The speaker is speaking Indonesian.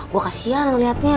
gue kasian ngeliatnya